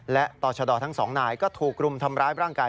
และต่อชะดอทั้งสองนายก็ถูกรุมทำร้ายร่างกาย